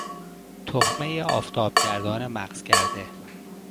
تخمهی آفتابگردان مغز کرده